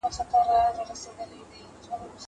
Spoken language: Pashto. زه هره ورځ اوبه پاکوم.